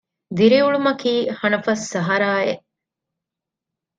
ދިރިއުޅުމަކީ ހަނަފަސް ސަހަރާއެއް